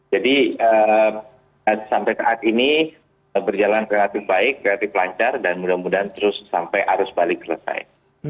jadi sampai saat ini berjalan relatif baik relatif lancar dan mudah mudahan terus sampai arus balik selesai